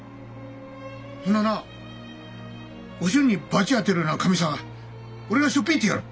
そんななあお俊に罰当てるような神様俺がしょっ引いてやる！